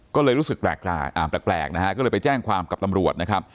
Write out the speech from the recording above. ก็เลยรู้สึกแปลกนะฮะก็เลยไปแจ้งความกับตำรวจนะครับ